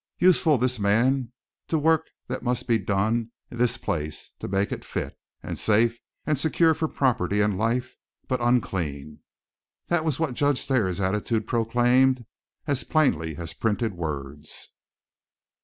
Useful this man, to the work that must be done in this place to make it fit, and safe, and secure for property and life, but unclean. That was what Judge Thayer's attitude proclaimed, as plainly as printed words.